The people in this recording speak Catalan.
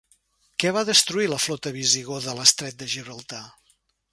Què va destruir la flota visigoda a l'estret de Gibraltar?